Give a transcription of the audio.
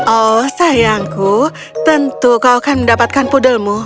oh sayangku tentu kau akan mendapatkan pudelmu